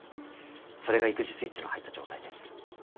それが育児スイッチの入った状態です。